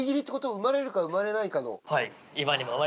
生まれるか生まれないかの。